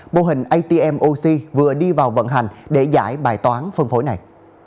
bô hình atm oxy vừa đi vào vận hành để giải bài toán phân phối này